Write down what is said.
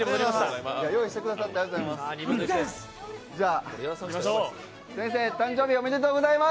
用意してくださってありがとうございます。